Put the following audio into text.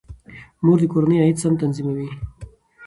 مور د کورنۍ عاید سم تنظیموي.